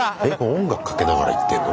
音楽かけながら行ってんの？